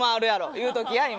言うときや、今。